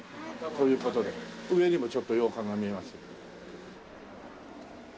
という事で上にもちょっと洋館が見えますよ。